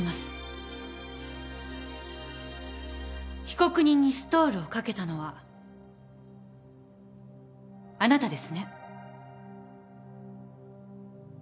被告人にストールをかけたのはあなたですね？